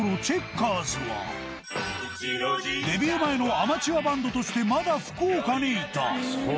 デビュー前のアマチュアバンドとしてまだ福岡にいた。